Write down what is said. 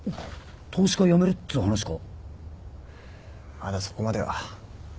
まだそこまでは。